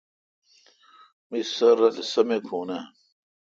می سر رل سمہ کھو اؘ۔